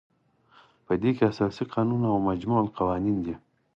په دې کې اساسي قانون او مجمع القوانین دي.